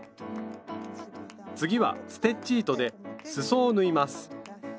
次はステッチ糸ですそを縫います。